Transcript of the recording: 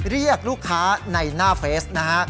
เรียกลูกค้าในหน้าเฟซนะฮะ